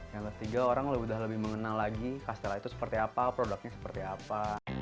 yang ketiga orang udah lebih mengenal lagi castella itu seperti apa produknya seperti apa